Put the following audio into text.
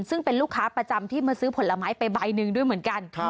ซึ่งเป็นลูกค้าประจำที่มาซื้อผลไม้ไปใบหนึ่งด้วยเหมือนกัน